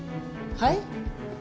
はい？